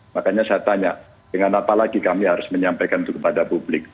makanya saya tanya dengan apa lagi kami harus menyampaikan itu kepada publik